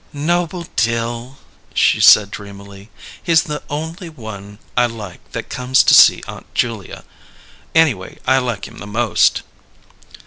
"Noble Dill," she said dreamily. "He's the only one I like that comes to see Aunt Julia. Anyway, I like him the most."